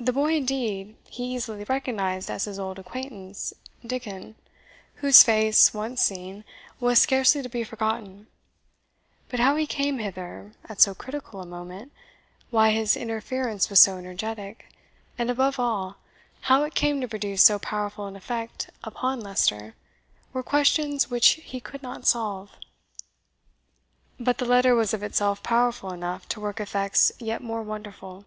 The boy, indeed, he easily recognized as his old acquaintance Dickon, whose face, once seen, was scarcely to be forgotten; but how he came hither at so critical a moment, why his interference was so energetic, and, above all, how it came to produce so powerful an effect upon Leicester, were questions which he could not solve. But the letter was of itself powerful enough to work effects yet more wonderful.